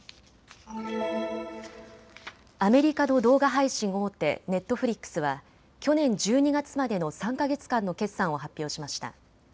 アメリカの動画配信大手、ネットフリックスは去年１２月までの３か月間の決算を発表しました。